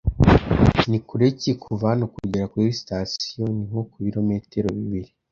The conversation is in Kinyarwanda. "Ni kure ki kuva hano kugera kuri sitasiyo?" "Ni nko ku bilometero bibiri."